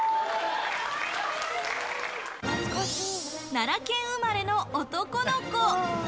奈良県生まれの男の子。